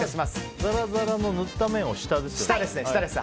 ザラザラの塗った面を下ですね。